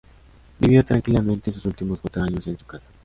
Vivió tranquilamente sus últimos cuatro años en su casa.